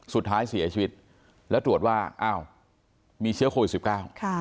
สุดท้ายเสียชีวิตแล้วตรวจว่าอ้าวมีเชื้อโควิดสิบเก้าค่ะ